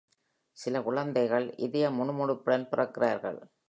சில குழந்தைகள் இதய முணுமுணுப்புடன் பிறக்கிறார்கள்.